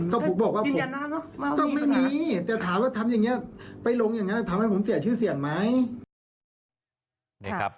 ก็ผมบอกว่าผมต้องไม่มีแต่ถามว่าทำอย่างนี้ไปลงอย่างนั้นทำให้ผมเสียชื่อเสียงไหม